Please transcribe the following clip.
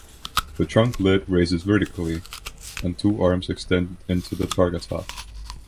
The trunk lid raises vertically and two arms extend into the targa top.